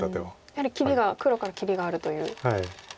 やはり切りが黒から切りがあるという。